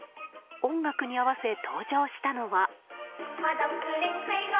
音楽に合わせ登場したのは。